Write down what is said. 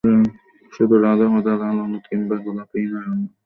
শুধু ধরাবাঁধা লাল, হলুদ কিংবা গোলাপিই নয়, অন্য রংও দেখা যাচ্ছে স্কুটিতে।